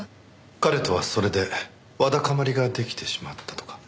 彼とはそれでわだかまりが出来てしまったとか。